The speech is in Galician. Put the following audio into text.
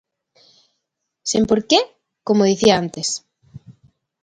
Sen por que, como dicía antes.